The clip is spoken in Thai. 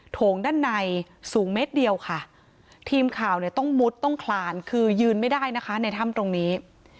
โถงด้านในสูงเมตรเดียวค่ะทีมข่าวเนี่ยต้องมุดต้องคลานคือยืนไม่ได้นะคะในถ้ำตรงนี้